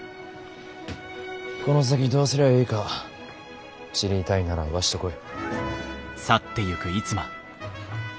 この先どうすりゃえいか知りたいならわしと来い。